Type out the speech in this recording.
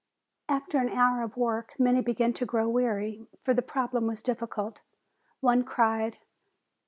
After an hour of work many began to grow weary, for the problem was difficult. One cried.